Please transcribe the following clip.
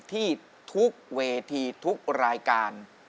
ที่ทุกเวทีทุกรายการ